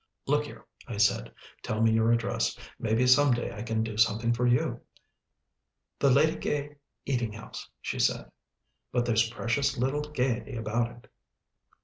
"Look here," I said, "tell me your address. Maybe some day I can do something for you." "The Lady Gay eating house," she said, "but there's precious little gaiety about it."